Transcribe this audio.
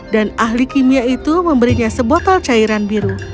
dan ahli kimia itu memberinya sebotol cairan biru